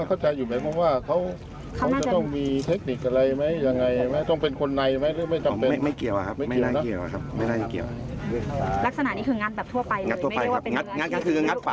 ก็คืองัดฝาเพื่อให้เห็นเงินเท่านั้นอีก